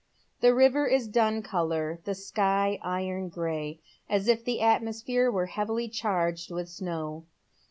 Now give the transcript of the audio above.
The river is dun colour, the sky iron gray, ae if the atmosphere were heavily charged with snow.